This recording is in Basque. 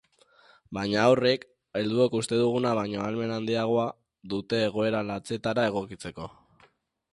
Baina haurrek helduok uste duguna baino ahalmen handiagoa dute egoera latzetara egokitzeko.